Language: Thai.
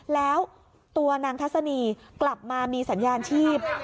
แล้วตัวนางทัศนีกลับมามีสัญญาณชีพ